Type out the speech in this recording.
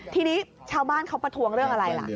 ทีนี้ชาวบ้านเขาประท้วงเรื่องอะไรล่ะ